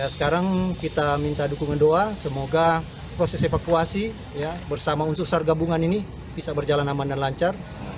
sekarang kita minta dukungan doa semoga proses evakuasi bersama unsur sar gabungan ini bisa berjalan aman dan lancar